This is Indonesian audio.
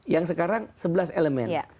yang sekarang sebelas elemen